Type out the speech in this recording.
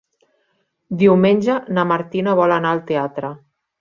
Diumenge na Martina vol anar al teatre.